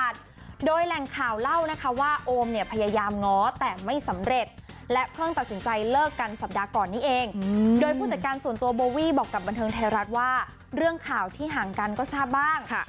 ซึ่งก่อนหน้านี้เพิ่งจะมีข่าวว่าทั้งคู่ซุ่มสร้างเรือนหอกว่า๑๕ล้านบาท